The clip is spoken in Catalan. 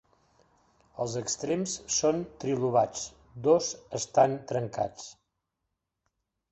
Els extrems són trilobats, dos estan trencats.